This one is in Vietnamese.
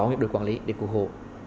có những đội quản lý để cứu hộ